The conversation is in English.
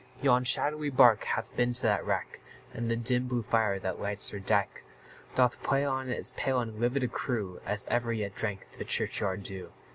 Yon shadowy bark hath been to that wreck, And the dim blue fire, that lights her deck, Doth play on as pale and livid a crew, As ever yet drank the churchyard dew.